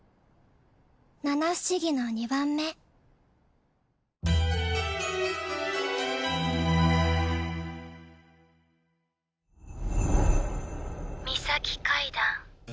七不思議の二番目ミサキ階段